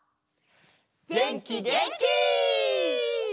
げんきげんき！